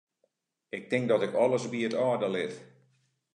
Ik tink dat ik alles by it âlde lit.